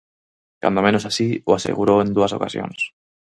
Cando menos así o asegurou en dúas ocasións.